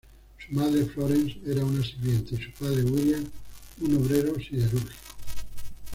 Su madre, Florence, era una sirvienta y su padre, William, un obrero siderúrgico.